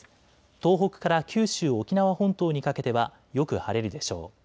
東北から九州、沖縄本島にかけてはよく晴れるでしょう。